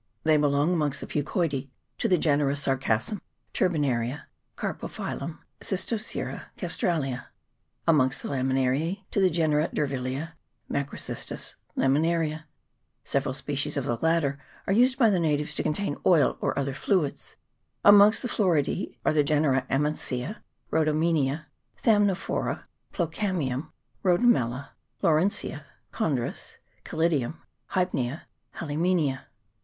They belong, amongst the Fucoidece, to the genera Sargassum, Turbinaria, Carpophyllum, Cys toseira, Castralia ; amongst the Laminar iece, to the genera Durvillea, Macrocystis, Laminaria, several species of the latter are used by the natives to contain oil and other fluids; amongst the Floridece are the genera Amansia, Rhodo menia, Thamnophora, Plocarnium, Rhodomela, Laurencia, Chondrus, Chelidium, Hypnea, Halymenia.